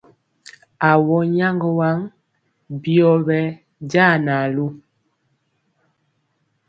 Awɔ nyaŋgɔ waŋ byɔ ɓɛ ja naalu.